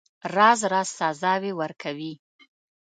راز راز سزاوي ورکوي.